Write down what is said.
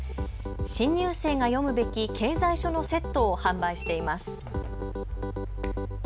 新入生が読むべき経済書のセットを販売しています。